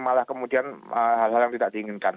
malah kemudian hal hal yang tidak diinginkan